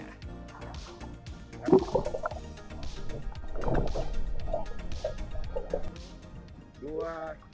tak mudah bagi saya untuk memainkannya